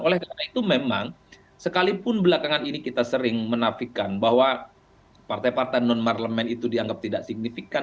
oleh karena itu memang sekalipun belakangan ini kita sering menafikan bahwa partai partai non parlemen itu dianggap tidak signifikan